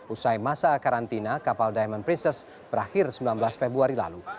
usai masa karantina kapal diamond princess berakhir sembilan belas februari lalu